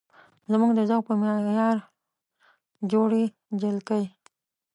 زموږ د ذوق په معیار جوړې جلکۍ